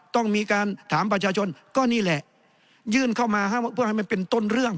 ต้องมีการถามประชาชนก็นี่แหละยื่นเข้ามาเพื่อให้มันเป็นต้นเรื่อง